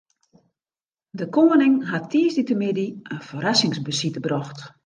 De koaning hat tiisdeitemiddei in ferrassingsbesite brocht.